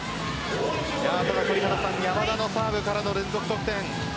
ただ山田のサーブからの連続得点。